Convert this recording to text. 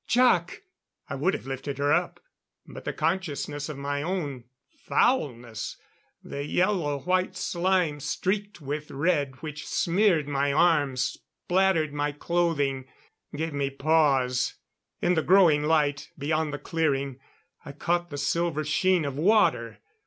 "Jac!" I would have lifted her up; but the consciousness of my own foulness the yellow white slime streaked with red which smeared my arms, splattered my clothing gave me pause. In the growing light, beyond the clearing, I caught the silver sheen of water.